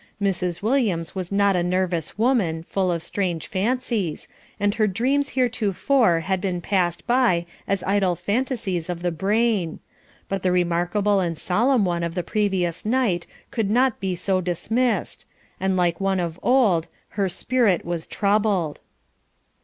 Mrs. Williams was not a nervous woman, full of strange fancies, and her dreams heretofore had been passed by as idle phantasies of the brain, but the remarkable and solemn one of the previous night could not be so dismissed, and like one of old, her "spirit was troubled."